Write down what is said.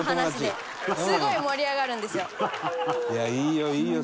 いやいいよいいよ